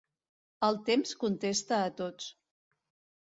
El temps contesta a tots.